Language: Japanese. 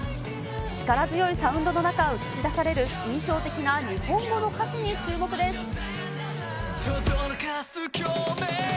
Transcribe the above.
力強いサウンドの中、映し出される印象的な日本語の歌詞に注目です。